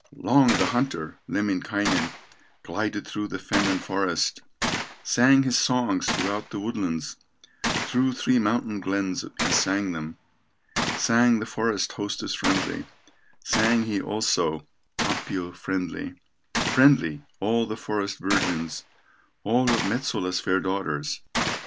Long the hunter, Lemminkainen, Glided through the fen and forest, Sang his songs throughout the woodlands, Through three mountain glens he sang them, Sang the forest hostess friendly, Sang he, also, Tapio friendly, Friendly, all the forest virgins, All of Metsola's fair daughters.